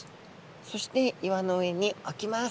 そして岩の上におきます。